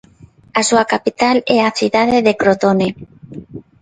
A súa capital é a cidade de Crotone.